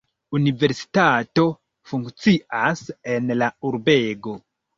Universitato funkcias en la urbego.